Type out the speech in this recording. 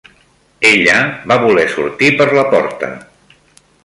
Ella va voler sortir per la porta.